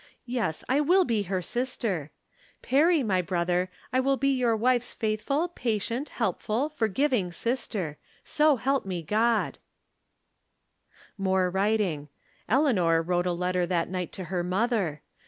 Yes, I will be her sister. Perry, my brother, I will be your wife's faithful, patient, helpful, forgiving sister. So help me God. 342 From Different Standpoints. More writing. Eleanor wrote a letter that night to her mother.